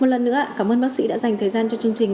một lần nữa cảm ơn bác sĩ đã dành thời gian cho chương trình